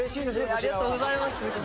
ありがとうございます！